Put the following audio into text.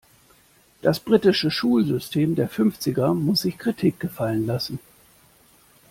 Das britische Schulsystem der Fünfziger muss sich Kritik gefallen lassen.